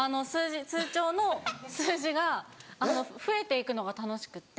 通帳の数字が増えていくのが楽しくって。